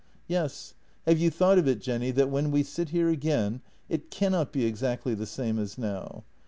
" Yes. Have you thought of it, Jenny, that when we sit here again it cannot be exactly the same as now?